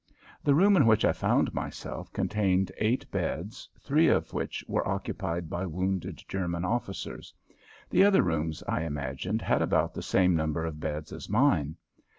The room in which I found myself contained eight beds, three of which were occupied by wounded German officers. The other rooms, I imagined, had about the same number of beds as mine.